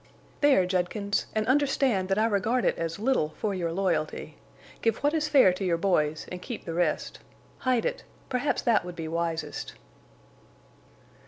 "There, Judkins, and understand that I regard it as little for your loyalty. Give what is fair to your boys, and keep the rest. Hide it. Perhaps that would be wisest."